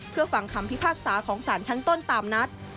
เพื่อฟังคำพิพากษาของสารชั้นต้นตามนัด